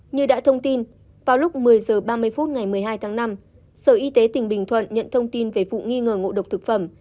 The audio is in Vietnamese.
như đã thông tin vào lúc một mươi h ba mươi phút ngày một mươi hai tháng năm sở y tế tỉnh bình thuận nhận thông tin về vụ nghi ngờ ngộ độc thực phẩm